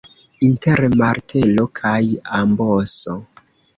Inter martelo kaj amboso.